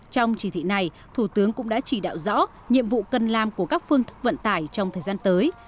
trong chỉ thị này thủ tướng cũng đã chỉ đạo rõ nhiệm vụ cần làm của các phương thức vận tải trong thời gian tới